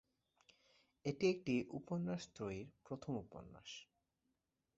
এটি একটি উপন্যাস ত্রয়ীর প্রথম উপন্যাস।